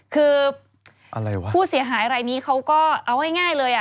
คือผู้เสียหายอะไรให้เนี่ยเขาก็เอาง่าย